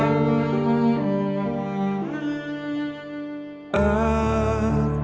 aku masih di dunia